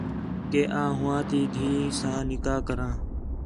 کہ آں ہوآں تی دِھی ساں نِکاح کراں